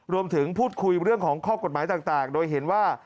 รวมถึงพูดคุยเรื่องของข้อกฎหมายต่างโดยเห็นว่า